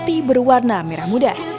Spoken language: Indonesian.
roti berwarna merah muda